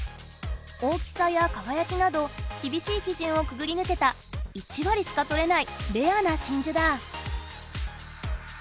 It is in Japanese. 大きさやかがやきなどきびしいきじゅんをくぐりぬけた１わりしかとれないレアな真珠だ！